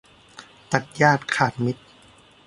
ตัดญาติขาดมิตร